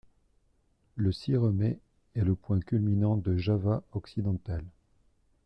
Le Ciremai est le point culminant de Java occidental.